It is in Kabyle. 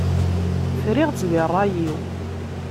Friɣ-tt di ṛṛay-iw.